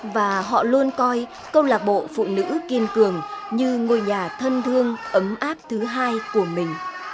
và họ luôn coi câu lạc bộ phụ nữ kiên cường như ngôi nhà thân thương ấm áp thứ hai của mình